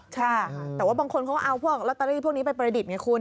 ใช่ค่ะแต่ว่าบางคนเขาก็เอาพวกลอตเตอรี่พวกนี้ไปประดิษฐ์ไงคุณ